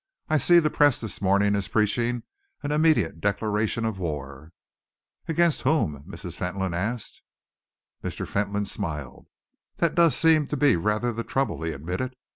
I see the press this morning is preaching an immediate declaration of war." "Against whom?" Mrs. Fentolin asked. Mr. Fentolin smiled. "That does seem to be rather the trouble," he admitted.